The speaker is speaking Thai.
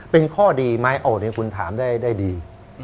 เป็นข้อดีมั้ยคุณถามได้ดี